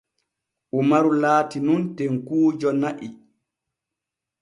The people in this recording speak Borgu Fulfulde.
Umaru laati nun tenkuujo na'i.